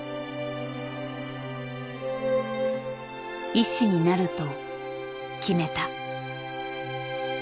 医師になると決めた。